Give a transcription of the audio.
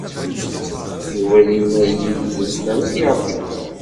Yuba yenna-yi-d yezmer ad yerǧu.